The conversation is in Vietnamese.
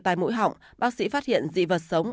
tai mũi họng bác sĩ phát hiện dị vật sống